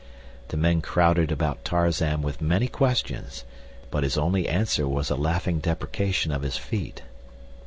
The men crowded about Tarzan with many questions, but his only answer was a laughing depreciation of his feat.